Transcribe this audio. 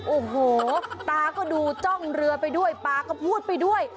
โอ้โหตาก็ดูจ้องเรือไปด้วยปลาก็พูดไปด้วย